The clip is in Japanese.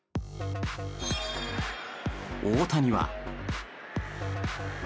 大谷は。